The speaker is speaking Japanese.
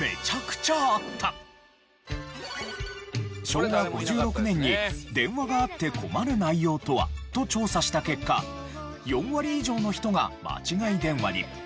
昭和５６年に電話があって困る内容とは？と調査した結果４割以上の人が間違い電話に。